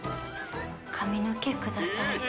髪の毛ください。